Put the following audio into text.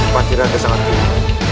patiraga sangat berhenti